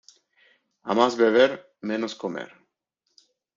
A más beber, menos comer.